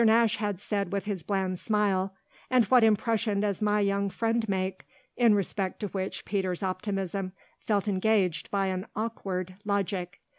Nash had said with his bland smile, "And what impression does my young friend make?" in respect to which Peter's optimism felt engaged by an awkward logic.